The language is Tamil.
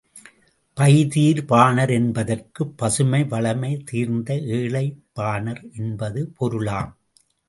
பை தீர் பாணர் என்பதற்கு, பசுமை வளமை தீர்ந்த ஏழைப் பாணர் என்பது பொருளாம்.